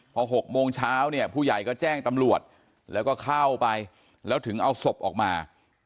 พอ๖โมงเช้าเนี่ยผู้ใหญ่ก็แจ้งตำรวจแล้วก็เข้าไปแล้วถึงเอาศพออกมา